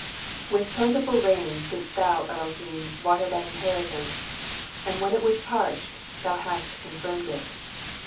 ID With plentiful rain didst Thou, Elohim, water Thine in heritance. And when it was parched. Thou hast confirmed it.